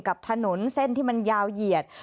กับถนนเส้นที่มันยาวเหยียด